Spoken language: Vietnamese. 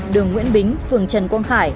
đường nguyễn bính phường trần quang khải